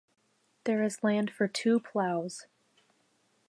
There is land for two ploughs.